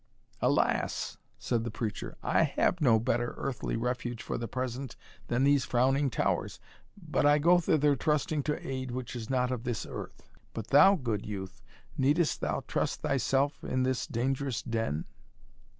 "Alas!" said the preacher, "I have no better earthly refuge for the present than these frowning towers, but I go thither trusting to aid which is not of this earth But thou, good youth, needest thou trust thyself in this dangerous den?"